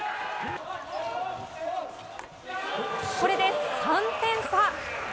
これで３点差。